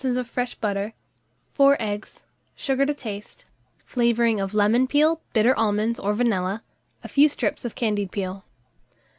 of fresh butter, 4 eggs, sugar to taste; flavouring of lemon peel, bitter almonds, or vanilla; a few strips of candied peel.